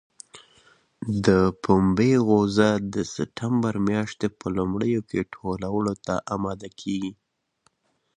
د پنبې غوزه د سپټمبر میاشتې په لومړیو کې ټولولو ته اماده کېږي.